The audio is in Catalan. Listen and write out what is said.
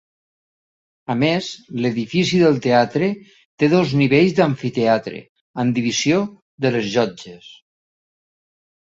A més, l'edifici del teatre té dos nivells d'amfiteatre amb divisió de les llotges.